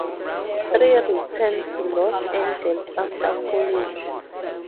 Tree returned to Los Angeles after college.